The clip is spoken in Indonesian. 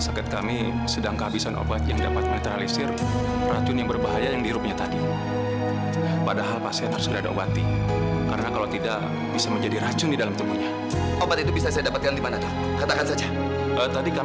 sampai jumpa di video selanjutnya